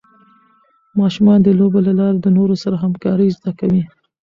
ماشومان د لوبو له لارې د نورو سره همکارۍ زده کوي.